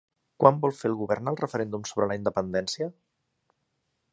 Quan vol fer el govern el referèndum sobre la independència?